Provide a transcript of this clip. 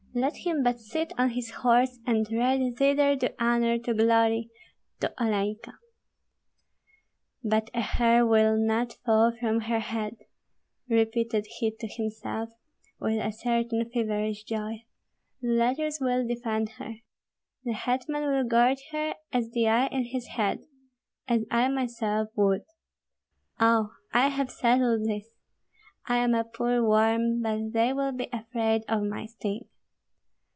Let him but sit on his horse and ride thither to honor, to glory, to Olenka. "But a hair will not fall from her head," repeated he to himself, with a certain feverish joy; "the letters will defend her. The hetman will guard her as the eye in his head, as I myself would. Oh, I have settled this! I am a poor worm, but they will be afraid of my sting."